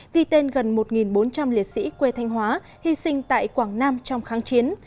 ghi tên gần một bốn trăm linh liệt sĩ quê thanh hóa hy sinh tại quảng nam trong kháng chiến